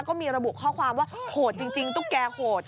ก็มีระบุข้อความว่าโหดจริงตุ๊กแก่โหด